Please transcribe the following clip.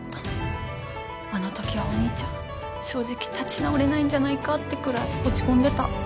あのときはお兄ちゃん正直立ち直れないんじゃないかってくらい落ち込んでた。